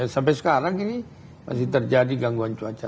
sampai sekarang ini masih terjadi gangguan cuaca